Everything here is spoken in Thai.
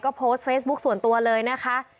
ก็โพสต์เฟซบุ๊คส่วนตัวเลยนะคะ